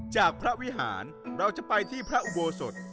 จากพระวิหารเราจะไปที่พระอุโบสถ